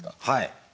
はい。